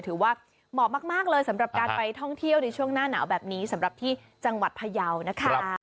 เหมาะมากเลยสำหรับการไปท่องเที่ยวในช่วงหน้าหนาวแบบนี้สำหรับที่จังหวัดพยาวนะคะ